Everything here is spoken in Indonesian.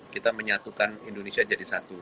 kita menyatukan indonesia jadi satu